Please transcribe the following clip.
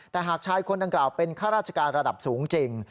แต่หากชายคนดังกล่าวเป็นข้าราชการระดับสูงจริง